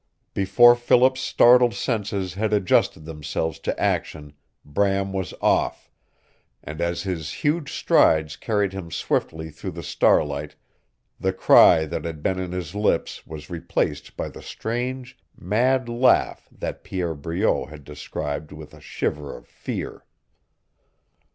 Before Philip's startled senses had adjusted themselves to action Bram was off, and as his huge strides carried him swiftly through the starlight the cry that had been on his lips was replaced by the strange, mad laugh that Pierre Breault had described with a shiver of fear.